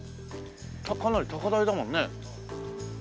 かなり高台だもんね。